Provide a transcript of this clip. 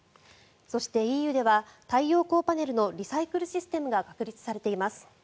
そして、ＥＵでは太陽光パネルのリサイクルシステムが確立されています。